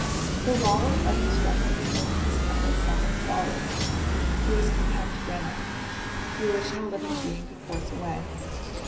The wall which Harding struck with the hilt of his cutlass sounded solid. It was compact granite, through which no living being could force a way.